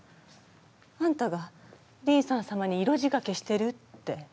あんたがリンサン様に色仕掛けしてるって。